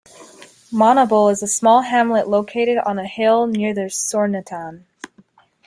Monible is a small hamlet located on a hill near the Sornetan.